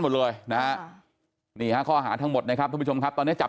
หมดเลยนะฮะนี่ฮะข้อหาทั้งหมดนะครับทุกผู้ชมครับตอนนี้จับ